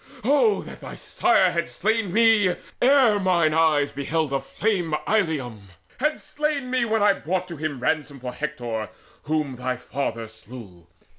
Oh that thy sire Had slain me, ere mine eyes beheld aflame Illium, had slain me when I brought to him Ransom for Hector, whom thy father slew.